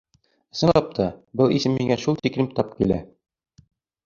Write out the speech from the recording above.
Ысынлап та, был исем миңә шул тиклем тап килә.